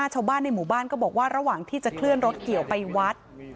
ชาวบ้านในหมู่บ้านก็บอกว่าระหว่างที่จะเคลื่อนรถเกี่ยวไปวัด